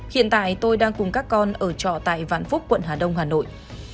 hiện tại tôi đang cùng các con ở trọ tại vạn phúc quận hà đông hà nội